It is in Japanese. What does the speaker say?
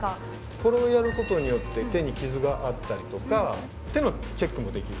これをやることによって手に傷があったりとか手のチェックもできる。